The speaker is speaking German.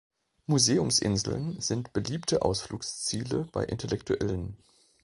Museumsinseln sind beliebte Ausflugsziele bei Intellektuellen.